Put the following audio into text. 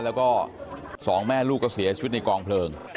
แล้วก็สองแม่ลูกก็เสียชีวิตในกองเพลิง